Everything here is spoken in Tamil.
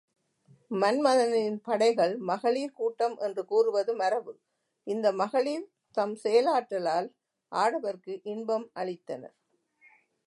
மன்மதனின் படைகள் மகளிர் கூட்டம் என்று கூறுவது மரபு இந்த மக்ளிர் தம் செயலாற்றலால் ஆடவருக்கு இன்பம் அளித்தனர்.